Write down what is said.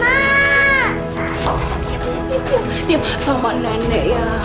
diam sama nenek ya